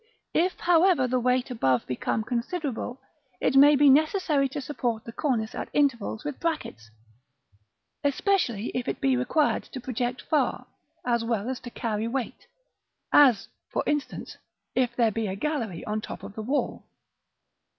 If, however, the weight above become considerable, it may be necessary to support the cornice at intervals with brackets; especially if it be required to project far, as well as to carry weight; as, for instance, if there be a gallery on top of the wall.